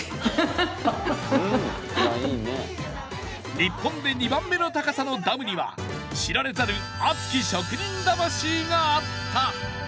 日本で２番目の高さのダムには知られざる熱き職人魂があった！